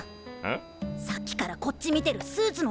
さっきからこっち見てるスーツの男がいるぞ。